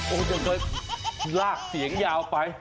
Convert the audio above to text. โอ้โหเดี๋ยวลากเสียงยาวไป